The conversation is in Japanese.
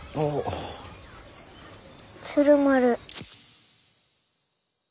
鶴丸。